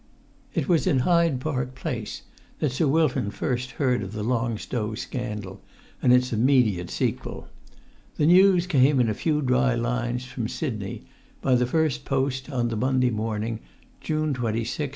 It was in Hyde Park Place that Sir Wilton first heard of the Long Stow scandal and its immediate sequel. The news came in a few dry lines from Sidney, by the first post on the Monday morning, June 26, 1882.